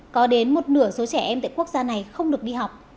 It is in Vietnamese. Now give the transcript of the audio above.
có đến một nửa số trẻ em tại quốc gia này không được đi học